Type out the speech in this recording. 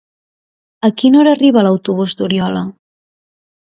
A quina hora arriba l'autobús d'Oriola?